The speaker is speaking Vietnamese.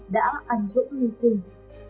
đã anh dũng hy sinh